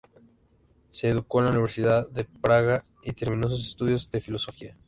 Se educó en la Universidad de Praga y terminó sus estudios de filosofía.